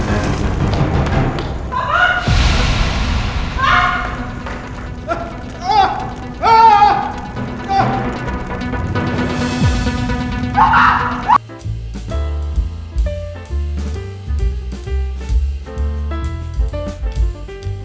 sekarang lalu baron di kawin jual nabi